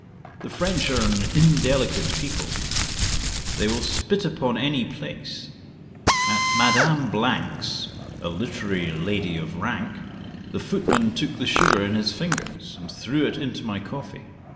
The French are an indelicate people; they will spit upon any place. At Madame 's, a literary lady of rank, the footman took the sugar in his fingers, and threw it into my coffee.